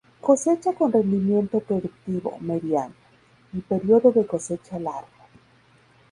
Cosecha con rendimiento productivo mediano, y periodo de cosecha largo.